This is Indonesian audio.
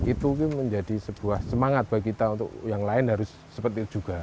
itu menjadi sebuah semangat bagi kita untuk yang lain harus seperti itu juga